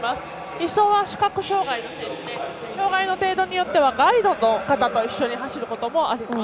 １走は視覚障がいの選手で障がいの程度によってはガイドの方と一緒に走ることもあります。